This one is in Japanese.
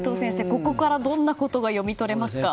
ここからどんなことが読み取れますか？